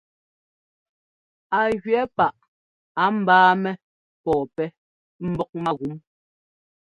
Á jʉɛ̌ paʼ á ḿbáamɛ́ pɔ̂pɛ́ mbɔ́k mágúm.